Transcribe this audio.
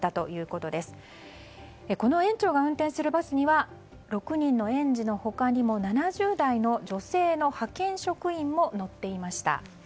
この園長が運転するバスには６人の園児の他にも７０代の女性の派遣職員も乗っていました。